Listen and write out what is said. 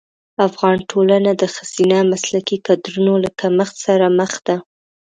افغان ټولنه د ښځینه مسلکي کدرونو له کمښت سره مخ ده.